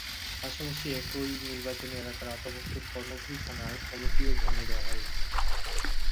পাশাপাশি একই নির্বাচনী এলাকার আওতাভুক্ত কর্ণফুলী থানার কমিটিও ভেঙে দেওয়া হয়েছে।